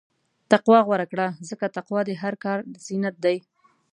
تقوی غوره کړه، ځکه تقوی د هر کار زینت دی.